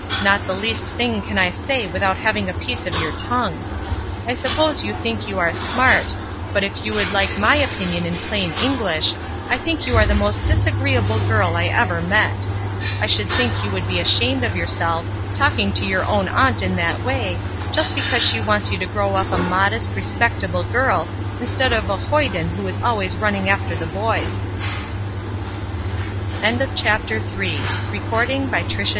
Not the least thing can I say without having a piece of your tongue. I suppose you think you are smart; but if you would hke my opinion in plain Eng lish, I think you are the most disagreeable girl I ever met. I should think you would be ashamed of yourself, talking to your own aunt in that way, just because she wants you to grow up a modest, respectable girl, instead of a hoyden who is